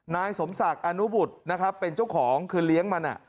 นายสมศักดิ์อนุบุตรเป็นเจ้าของคือเลี้ยงมันน่ะ